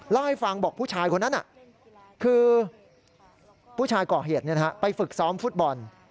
เล่าให้ฟังบอกผู้ชายคนนั้นคือผู้ชายก่อเหตุไปฝึกซ้อมฟุตบอล